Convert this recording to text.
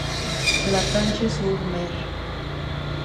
La Tranche-sur-Mer